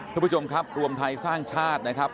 คุณผู้ชมครับรวมไทยสร้างชาตินะครับ